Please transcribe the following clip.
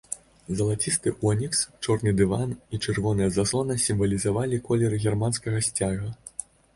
Залацісты онікс, чорны дыван і чырвоная заслона сімвалізавалі колеры германскага сцяга.